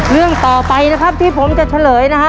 เรื่องต่อไปนะครับที่ผมจะเฉลยนะฮะ